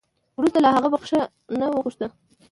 وروسته له هغه بخښنه وغوښته